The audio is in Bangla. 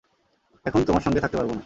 এখন তোমার সঙ্গে থাকতে পারব না।